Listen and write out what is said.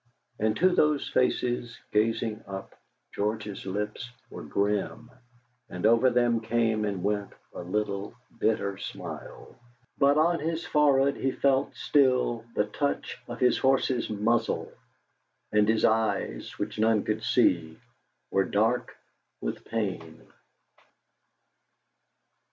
And to those faces gazing up, George's lips were grim, and over them came and went a little bitter smile; but on his forehead he felt still the touch of his horse's muzzle, and his eyes, which none could see, were dark with pain.